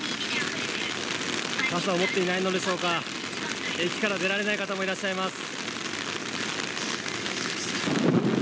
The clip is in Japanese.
傘を持っていないのでしょうか、駅から出られない方もいらっしゃいます。